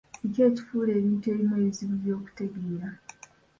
Kiki ekifuula ebintu ebimu ebizibu by'okutegeera?